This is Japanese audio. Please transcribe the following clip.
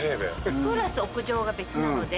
プラス屋上が別なので。